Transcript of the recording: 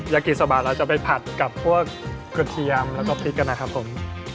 อย่ากินสบายเราจะไปผัดกับก๋วยเทียมและพริกกันนะครับผม